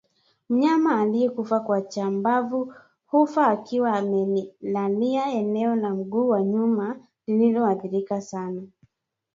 Mnyama aliyekufa kwa chambavu hufa akiwa amelalia eneo la mguu wa nyuma lililoathirika sana